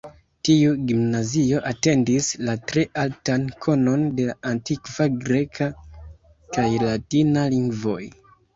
Tiu gimnazio atendis la tre altan konon de la antikva greka kaj latina lingvoj.